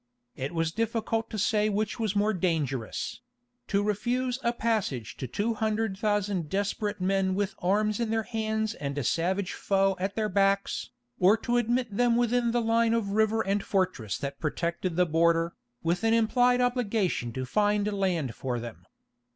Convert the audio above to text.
It was difficult to say which was more dangerous—to refuse a passage to 200,000 desperate men with arms in their hands and a savage foe at their backs, or to admit them within the line of river and fortress that protected the border, with an implied obligation to find land for them.